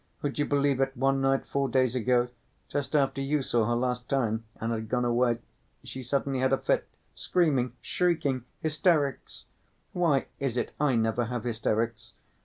Would you believe it, one night, four days ago, just after you saw her last time, and had gone away, she suddenly had a fit, screaming, shrieking, hysterics! Why is it I never have hysterics?